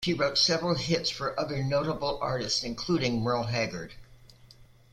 She wrote several hits for other notable artists, including Merle Haggard.